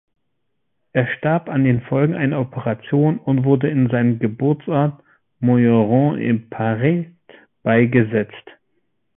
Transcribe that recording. Er starb an den Folgen einer Operation und wurde in seinem Geburtsort Mouilleron-en-Pareds beigesetzt.